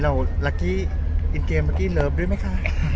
เราลักษณ์เกมรักด้วยไหมค่ะ